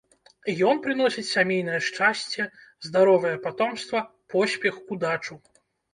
Ён прыносіць сямейнае шчасце, здаровае патомства, поспех, удачу.